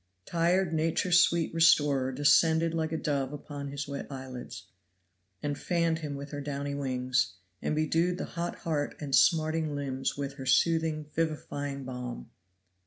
Tired nature's sweet restorer descended like a dove upon his wet eyelids, and fanned him with her downy wings, and bedewed the hot heart and smarting limbs with her soothing, vivifying balm.